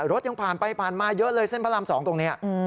รถยังผ่านไปผ่านมาเยอะเลยเส้นพระราม๒ตรงนี้